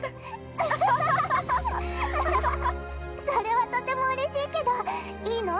「それはとてもうれしいけどいいの？」